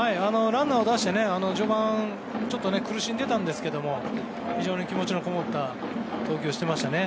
ランナーを出して、序盤ちょっと苦しんでたんですけど非常に気持ちのこもった投球をしてましたね。